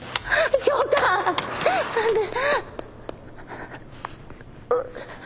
何で。